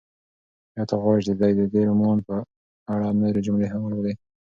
ایا ته غواړې چې د دې رومان په اړه نورې جملې هم ولولې؟